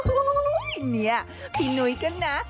อู้หู้หู้นี่พี่นุ้ยก็นะ